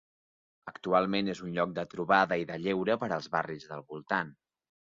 Actualment és un lloc de trobada i de lleure per als barris del voltant.